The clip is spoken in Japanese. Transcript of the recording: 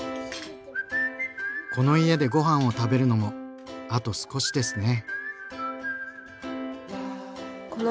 この家でごはんを食べるのもあと少しですね。